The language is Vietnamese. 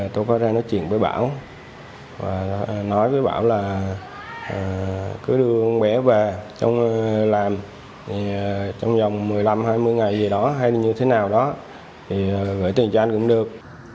tôi có ra nói chuyện với bảo và nói với bảo là cứ đưa con bé về trong làm trong vòng một mươi năm hai mươi ngày gì đó hay như thế nào đó thì gửi tiền cho anh cũng được